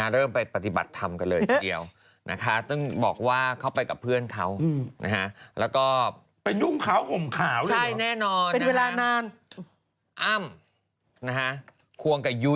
เริ่มไปปฏิบัติธรรมกันเลยทีเดียว